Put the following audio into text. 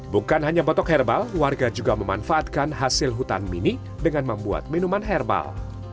bukan hanya botok herbal warga juga memanfaatkan hasil hutan mini dengan membuat minuman herbal